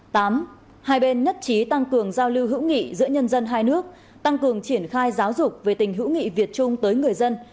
tám hai bên nhất trí tăng cường giao lưu hữu nghị giữa nhân dân hai nước tăng cường triển khai giáo dục về tình hữu nghị việt trung tới người dân